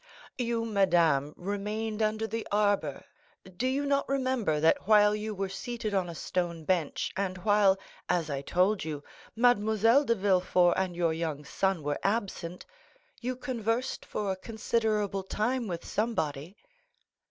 "You, madame, remained under the arbor; do you not remember, that while you were seated on a stone bench, and while, as I told you, Mademoiselle de Villefort and your young son were absent, you conversed for a considerable time with somebody?"